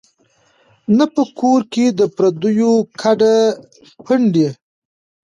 نه په کور کي د پردیو کډي پنډي